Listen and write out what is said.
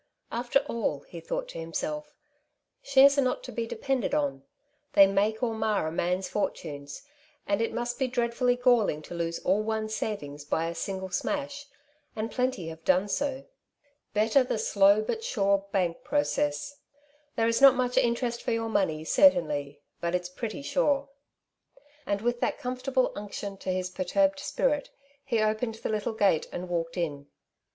*' After all," he thought to himself, ^^ shares are not to be depended on. They make or mar a man^s fortunes ; and it must be dreadfully galling to lose all , one^s savings by a single smash ; and plenty have done so. Better the slow but sure bank V 34 " ^^"^0 Sides to every Question.'^ process. There is not much interest for your money, certainly, but it's pretty sure/^ And with that comfortable unction to "^ his perturbed spirit, he opened the little gate and walked in.